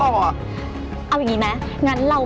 เอาอย่างนี้ไหมงั้นเรา